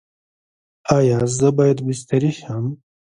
ایا زه باید بستري شم؟